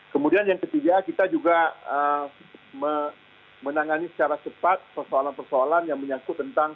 kemudian yang ketiga kita juga menangani secara cepat persoalan persoalan yang menyangkut tentang